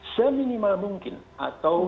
seminimal mungkin atau